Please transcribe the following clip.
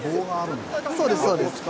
そうです、そうです。